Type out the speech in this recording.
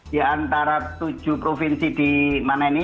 diantara tujuh provinsi di mana ini